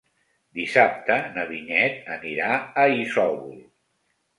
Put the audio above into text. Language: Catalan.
Dissabte na Vinyet anirà a Isòvol.